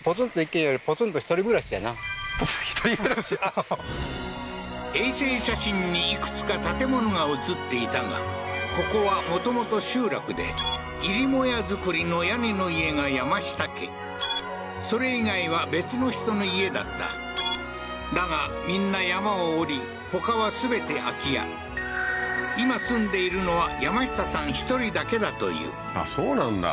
ポツンと一人暮らし衛星写真にいくつか建物が写っていたがここはもともと集落で入り母屋造りの屋根の家が山下家それ以外は別の人の家だっただがみんな山を下りほかは全て空き家今住んでいるのは山下さん１人だけだというあっそうなんだ